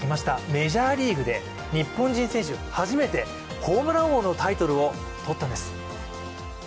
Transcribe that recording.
メジャーリーグで日本人選手で初めて、ホームラン王のタイトルをとったんです。